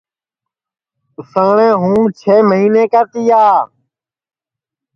اُساٹؔیں منگتِیا چھ مہینے کا تِیا